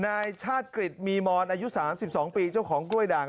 นายชาติกฤษมีมอนอายุ๓๒ปีเจ้าของกล้วยด่าง